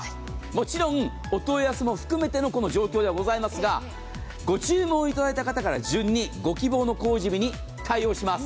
もちろんお問い合わせも含めての状況ではございますが、ご注文いただいた方から順にご希望の工事日に対応します。